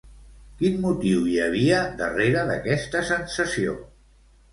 Quin motiu hi havia darrere d'aquesta sensació?